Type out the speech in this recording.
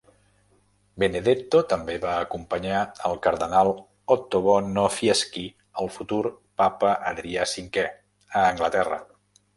Benedetto també va acompanyar el cardenal Ottobono Fieschi, el futur papa Adrià V, a Anglaterra.